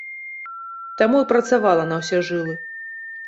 Таму і працавала на ўсе жылы.